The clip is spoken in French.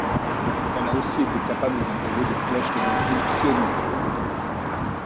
Elle a aussi été capable d'envoyer des flèches d'énergie psionique.